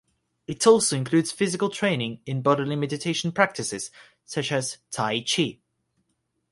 It also includes physical training in bodily meditation practices such as tai chi.